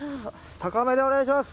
高めでお願いします！